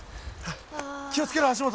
気を付けろ足元。